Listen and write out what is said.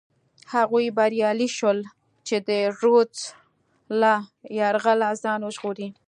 هغوی بریالي شول چې د رودز له یرغله ځان وژغوري.